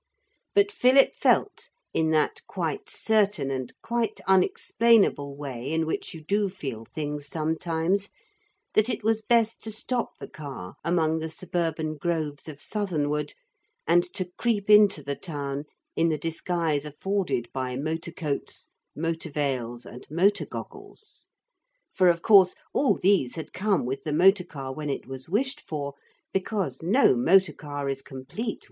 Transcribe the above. But Philip felt in that quite certain and quite unexplainable way in which you do feel things sometimes that it was best to stop the car among the suburban groves of southernwood, and to creep into the town in the disguise afforded by motor coats, motor veils and motor goggles. (For of course all these had come with the motor car when it was wished for, because no motor car is complete without them.)